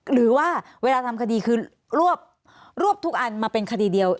หรือว่าเวลาทำคดีคือรวบทุกอันมาเป็นคดีเดียว